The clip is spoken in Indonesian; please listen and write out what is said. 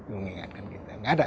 mengingatkan kita gak ada